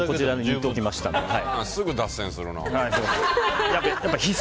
すぐ脱線するな。